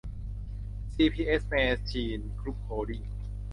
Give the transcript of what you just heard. พี ซี เอส แมชีน กรุ๊ปโฮลดิ้ง